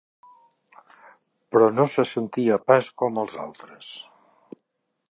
Però no se sentia pas com els altres.